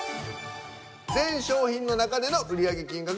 全商品の中での売り上げ金額